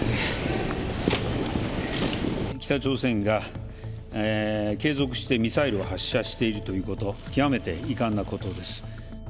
北朝鮮が継続してミサイルを発射しているということ、極めて遺憾なことです。